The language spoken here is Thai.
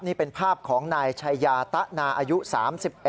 นี่เป็นภาพของนายชัยยาตะนาอายุ๓๑